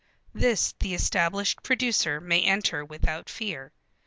This the established producer may enter without fear.